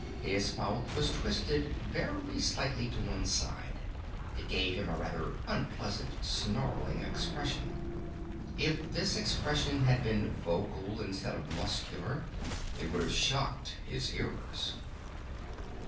His mouth was twisted very slightly to one side. It gave him a rather unpleasant snarling expression. If this expression had been vocal instead of muscular it would have shocked his hearers.